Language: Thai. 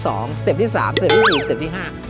สเต็ปที่๓สเต็ปที่๑สเต็ปที่๕